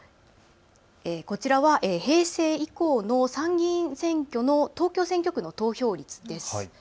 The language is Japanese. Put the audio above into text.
こちらは平成以降の参議院選挙の東京選挙区の投票率です。